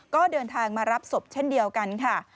ก็เดินทางมารับศพเช่นเดียวกันค่ะ